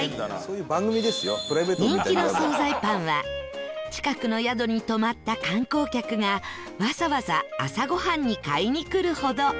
人気の惣菜パンは近くの宿に泊まった観光客がわざわざ朝ごはんに買いにくるほど